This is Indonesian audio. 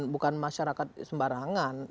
bukan masyarakat sembarangan